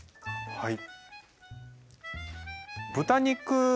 はい。